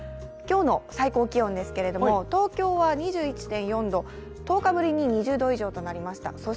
今日の最高気温ですけれども、東京は２１．４度、１０日ぶりに２０度以上となりました。